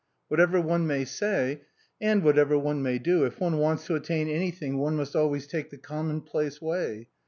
Wliatever one may say, and whatever one may do, if one wants to attain anything one must al ways take the commonplace way.